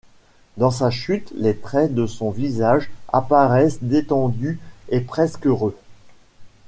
Dans sa chute les traits de son visage apparaissent détendus et presque heureux.